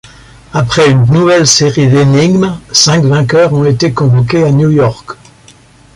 Après une nouvelle série d'énigmes, cinq vainqueurs ont été convoqués à New York.